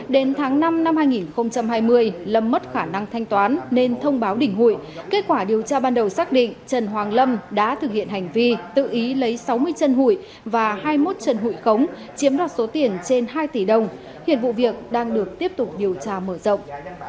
đến tháng năm năm hai nghìn hai mươi lâm mất khả năng thanh toán nên thông báo đỉnh hụi kết quả điều tra ban đầu xác định trần hoàng lâm đã thực hiện hành vi tự ý lấy sáu mươi chân hụi và hai mươi một trần hụi khống chiếm đoạt số tiền trên hai tỷ đồng hiện vụ việc đang được tiếp tục điều tra mở rộng